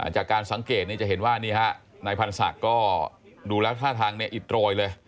จากการสังเกตจะเห็นว่านี่ฮะนายพันธ์ศักดิ์ก็ดูแล้วท่าทางอิดโรยเลย